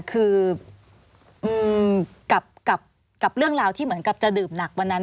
คือกับเรื่องราวที่เหมือนกับจะดื่มหนักวันนั้น